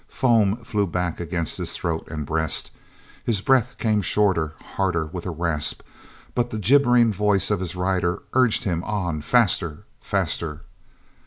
Foam flew back against his throat and breast. His breath came shorter, harder, with a rasp; but the gibbering voice of his rider urged him on, faster, and faster.